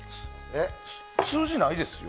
数字ないですよ